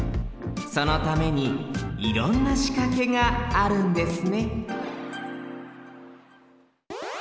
そのためにいろんなしかけがあるんですね